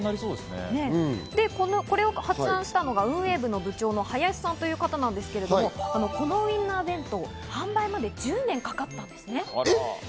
これを発案したのが運営部の部長の林さんという方なんですけど、このウインナー弁当、販売まで１０年かかったそうです。